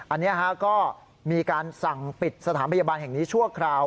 อันนี้ก็มีการสั่งปิดสถานพยาบาลแห่งนี้ชั่วคราว